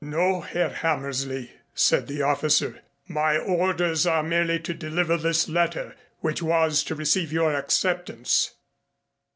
"No, Herr Hammersley," said the officer. "My orders are merely to deliver this letter which was to receive your acceptance."